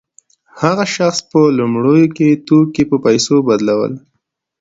هغه شخص به په لومړیو کې توکي په پیسو بدلول